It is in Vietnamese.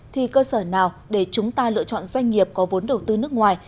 thì cơ sở nào để chúng ta lựa chọn doanh nghiệp có vốn đầu tư nước ngoài